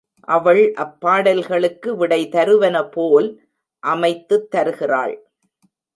அவள் அப்பாடல்களுக்கு விடை தருவன போல் அமைத்துத் தருகிறாள்.